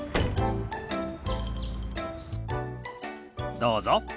どうぞ。